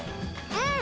うん！